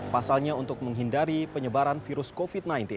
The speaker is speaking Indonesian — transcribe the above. pasalnya untuk menghindari penyebaran virus covid sembilan belas